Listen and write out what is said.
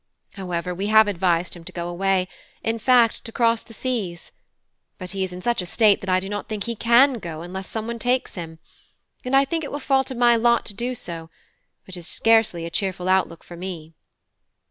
However, we have advised him to go away in fact, to cross the seas; but he is in such a state that I do not think he can go unless someone takes him, and I think it will fall to my lot to do so; which is scarcely a cheerful outlook for me."